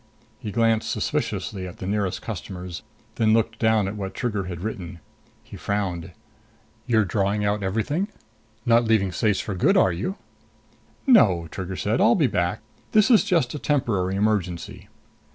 He glanced suspiciously at the nearest customers, then looked down at what Trigger had written. He frowned. "You drawing out everything? Not leaving Ceyce for good, are you?" "No," Trigger said. "I'll be back. This is just a temporary emergency."